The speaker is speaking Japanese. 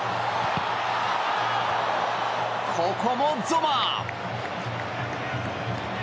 ここもゾマー！